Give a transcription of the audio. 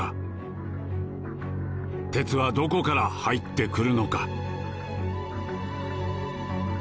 鉄はどこから入ってくるのか」。